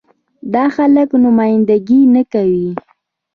دا خلک نماينده ګي نه کوي.